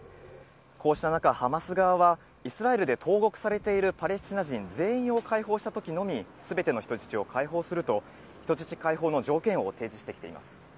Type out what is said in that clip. こうした中、ハマス側は、イスラエルで投獄されているパレスチナ人全員を解放したときのみ、すべての人質を解放すると、人質解放の条件を提示してきています。